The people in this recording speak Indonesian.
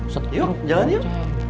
yuk jalan yuk